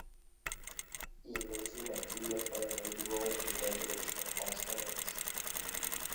In nature bacteria play a major role in the degradation of phosphonates.